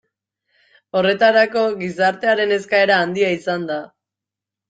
Horretarako gizartearen eskaera handia izan da.